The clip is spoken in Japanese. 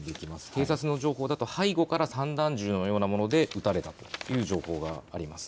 警察の情報だと背後から散弾銃のようなもので撃たれたという情報があります。